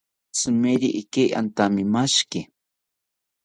Tzimeri ijeki antamimashiki